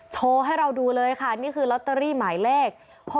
โชว์ให้เราดูเลยค่ะนี่คือลอตเตอรี่หมายเลข๖๖